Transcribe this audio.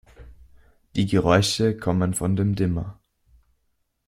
Die Geräusche kommen von dem Dimmer.